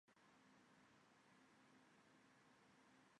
该文物保护单位由安图县文物管理所管理。